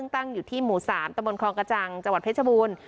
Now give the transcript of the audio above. ตั้งอยู่ที่หมู่๓ตะบนคลองกระจังจังหวัดเพชรบูรณ์